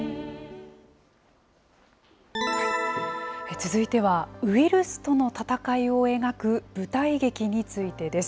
続いては、ウイルスとの闘いを描く舞台劇についてです。